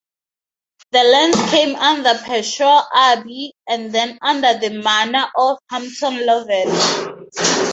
The lands came under Pershore Abbey and then under the manor of Hampton Lovett.